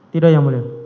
tidak yang mulia